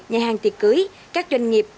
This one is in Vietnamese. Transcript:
nhà hàng tiệc cưới các doanh nghiệp